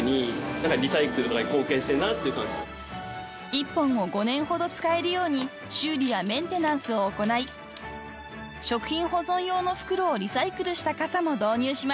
［１本を５年ほど使えるように修理やメンテナンスを行い食品保存用の袋をリサイクルした傘も導入しました］